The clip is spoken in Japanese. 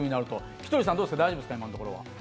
ひとりさん、どうですか大丈夫ですか、今のところは。